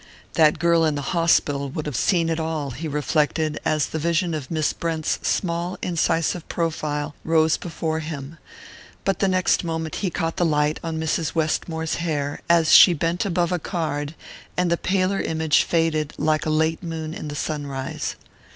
"That girl in the hospital would have seen it all," he reflected, as the vision of Miss Brent's small incisive profile rose before him; but the next moment he caught the light on Mrs. Westmore's hair, as she bent above a card, and the paler image faded like a late moon in the sunrise.